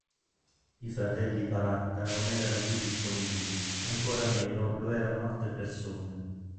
I fratelli Baratta non erano più disponibili, ancora meno lo erano altre persone.